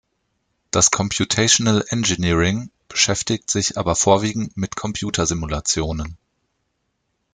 Das Computational Engineering beschäftigt sich aber vorwiegend mit Computersimulationen.